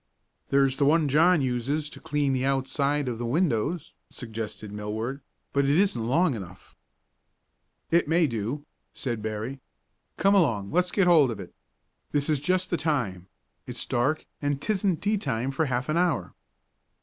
"There's the one John uses to clean the outside of the windows," suggested Millward, "but it isn't long enough." "It may do," said Berry. "Come along, let's get hold of it. This is just the time; it's dark, and 'tisn't tea time for half an hour."